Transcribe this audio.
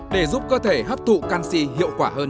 để giúp cơ thể hấp thụ canxi hiệu quả hơn